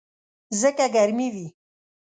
ځکه ګرمي وي.